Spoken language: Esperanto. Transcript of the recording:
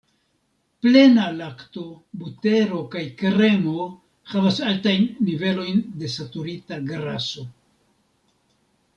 Plena lakto, butero kaj kremo havas altajn nivelojn de saturita graso.